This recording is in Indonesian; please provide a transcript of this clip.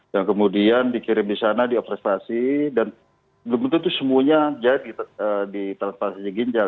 dan kemudian dikirim di sana dioperasi dan kebetulan itu semuanya jahat di telpasi